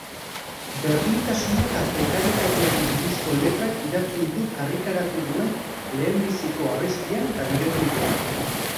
Berdintasuna eta prekarietateari buruzko letrak idatzi ditu karrikaratu duen lehenbiziko abestian eta bideoklipean.